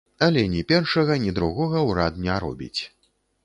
Але ні першага, ні другога ўрад не робіць.